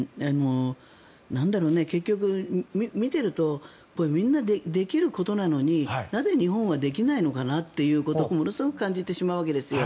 結局、見ているとみんなできることなのになぜ日本はできないのかなということをものすごく感じてしまうわけですよ。